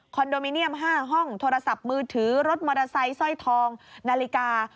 โดมิเนียม๕ห้องโทรศัพท์มือถือรถมอเตอร์ไซค์สร้อยทองนาฬิกา